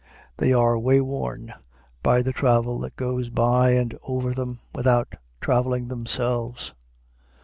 They are wayworn by the travel that goes by and over them, without traveling themselves.